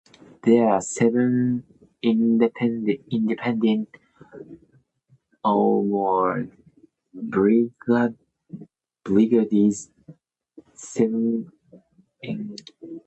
There are seven independent armoured brigades, seven engineering brigades and eight air defense brigades.